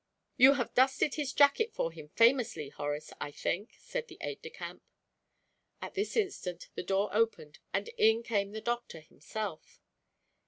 "You have dusted his jacket for him famously, Horace, I think," said the aide de camp. At this instant the door opened, and in came the doctor himself.